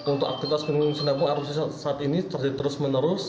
untuk aktivitas gunung sinabung harusnya saat ini terjadi terus menerus